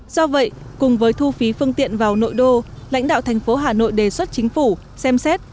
do vậy cùng với thu phí phương tiện vào nội đô lãnh đạo thành phố hà nội đề xuất chính phủ xem xét